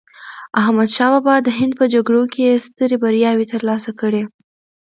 احمد شاه بابا د هند په جګړو کې یې سترې بریاوې ترلاسه کړې.